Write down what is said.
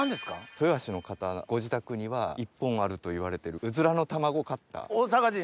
豊橋の方ご自宅には１本あるといわれてるうずらの卵カッター。